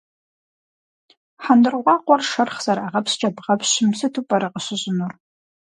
Хьэндыркъуакъуэр шэрхъ зэрагъэпщкӏэ бгъэпщым сыту пӏэрэ къыщыщӏынур?